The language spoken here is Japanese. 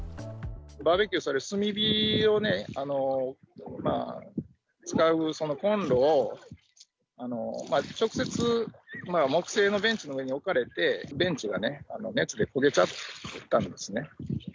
バーベキュー、炭火をね、使うそのコンロを直接、木製のベンチの上に置かれて、ベンチがね、熱で焦げちゃったんですね。